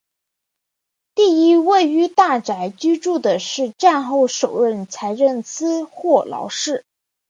第一位于大宅居住的是战后首任财政司霍劳士。